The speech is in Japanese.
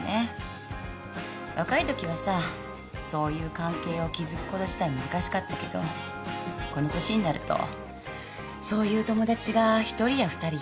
若いときはさそういう関係を築くこと自体難しかったけどこの年になるとそういう友達が１人や２人いてもいいよね。